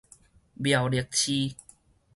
苗栗市